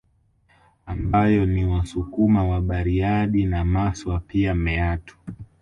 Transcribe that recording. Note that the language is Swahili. Ambayo ni Wasukuma wa Bariadi na Maswa pia Meatu